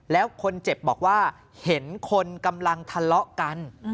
แล้วคนเจ็บบอกว่าเห็นคนกำลังทะเลาะกัน